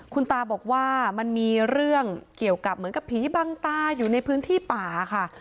คุณตาบอกว่ามันมีเรื่องเกี่ยวกับเหมือนกับผีบังตาอยู่ในพื้นที่ป่าค่ะ